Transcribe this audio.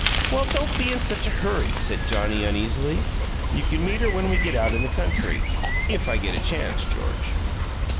"Well, don't be in such a hurry," said Johnnie, uneasily. "You can meet her when we get out in the country if I get a chance, George."